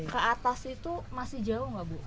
ke atas itu masih jauh nggak bu